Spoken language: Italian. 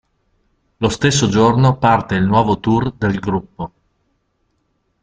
Lo stesso giorno parte il nuovo tour del gruppo.